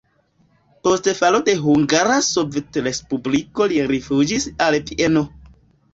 Post falo de Hungara Sovetrespubliko li rifuĝis al Vieno.